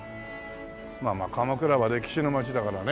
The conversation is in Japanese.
まあ鎌倉は歴史の街だからね。